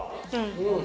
うん。